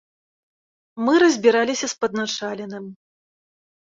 Мы разбіраліся з падначаленым.